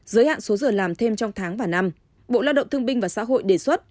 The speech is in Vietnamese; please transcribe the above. giới hạn số giờ làm thêm trong tháng và năm bộ lao động thương binh và xã hội đề xuất